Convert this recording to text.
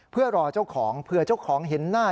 เพื่อรอเจ้าของเผื่อเจ้าของเห็นหน้า